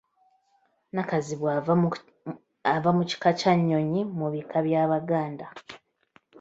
Nakazibwe ava mu kika kya nnyonyi mu bika by'Abaganda.